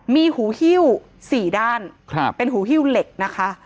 มีหูฮิ้ว๔ด้านเป็นหูฮิ้วเหล็กนะคะ